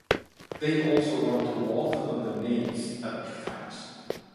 They also run to Walton-on-the-Naze at peak times.